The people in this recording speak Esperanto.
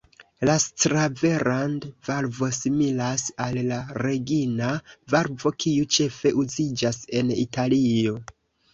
La „Sclaverand“-valvo similas al la "Regina-valvo", kiu ĉefe uziĝas en Italio.